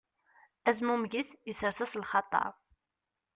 Azmummeg-is isers-as lxaṭer.